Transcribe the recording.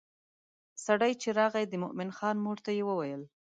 سړی چې راغی د مومن خان مور ته یې وویل.